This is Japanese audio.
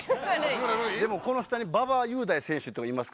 でもこの下に馬場雄大選手ってのがいますからね。